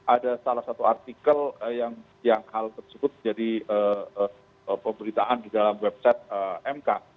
ada salah satu artikel yang hal tersebut menjadi pemberitaan di dalam website mk